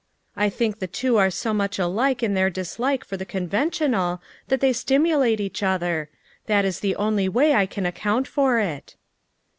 I think the two are so much alike in their dislike for the conventional that they stimulate each other; that is the only way I can account for it."